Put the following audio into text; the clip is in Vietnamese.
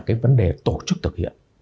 cái vấn đề tổ chức thực hiện